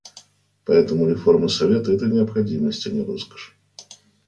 Поэтому реформа Совета — это необходимость, а не роскошь.